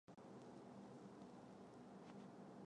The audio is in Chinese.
日本足球协会资料